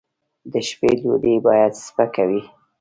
د شپې ډوډۍ باید سپکه وي